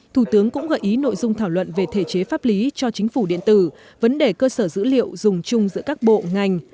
thủ tướng cũng gợi ý nội dung thảo luận về thể chế pháp lý cho chính phủ điện tử vấn đề cơ sở dữ liệu dùng chung giữa các bộ ngành